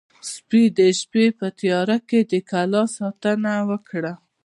سپي د شپې په تیاره کې د کلا ساتنه وکړه.